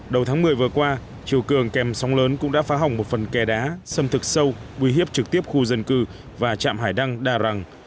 đầu tháng một mươi vừa qua triều cường kèm sóng lớn cũng đã phá hỏng một phần kè đá xâm thực sâu quy hiếp trực tiếp khu dân cư và chạm hải đăng đà rằng